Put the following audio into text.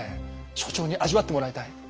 所長に味わってもらいたい。